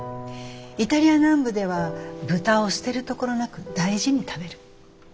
イタリア南部では豚を捨てるところなく大事に食べる。